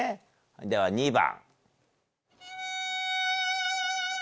では２番。